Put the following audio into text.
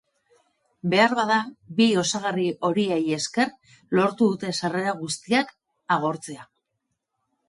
Beharbada, bi osagarri horiei esker lortu dute sarrera guztiak agortzea.